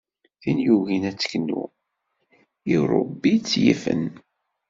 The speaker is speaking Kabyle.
Tin yugin ad teknu i urebbit tt-yifen.